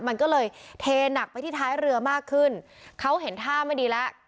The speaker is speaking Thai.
มันก็เลยเทหนักไปที่ท้ายเรือมากขึ้นเขาเห็นท่าไม่ดีแล้ว